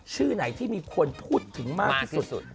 ชื่อไหนที่มีคนพูดถึงมากที่สุด